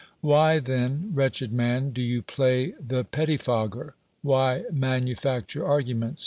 Why then, wretched man, do you play the pet tifogger? Why manufacture arguments?